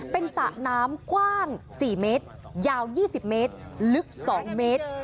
เป็นสระน้ำกว้าง๔เมตรยาว๒๐เมตรลึก๒เมตร